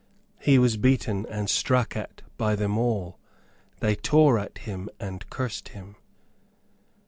He was beaten and struck at by them all; they tore at him, and cursed him.